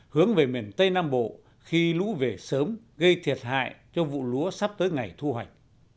hướng về miền tây nam bộ khi lũ về sớm gây thiệt hại cho vụ lúa sắp tới ngày thu hoạch